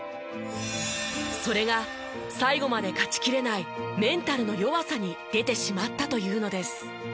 それが最後まで勝ちきれないメンタルの弱さに出てしまったというのです。